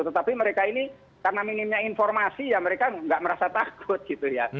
tetapi mereka ini karena minimnya informasi ya mereka nggak merasa takut gitu ya